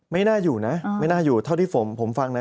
ไม่น่าอยู่นะไม่น่าอยู่เท่าที่ผมฟังนะ